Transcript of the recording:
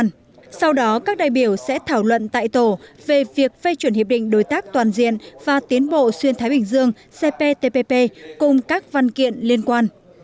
nghe chủ nhiệm ủy ban đối ngoại của quốc hội nguyễn văn dầu trình bày báo cáo thẩm tra về việc phê chuẩn hiệp định đối tác toàn diện và tiến bộ xuyên thái bình dương cptpp cùng các văn kiện liên quan